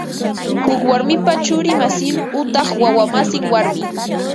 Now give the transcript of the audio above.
Huk warmipa churi masin utaq wawa masin warmi